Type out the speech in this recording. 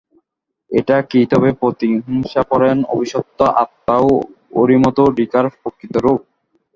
এটাই কি তবে প্রতিহিংসাপরায়ণ অভিশপ্ত আত্মা ওরিমোতো রিকার প্রকৃত রূপ?